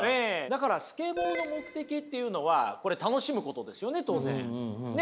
だからスケボーの目的っていうのはこれ楽しむことですよね当然。